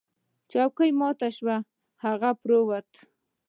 چوکۍ ماته شوه او هغه پریوت.